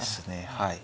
はい。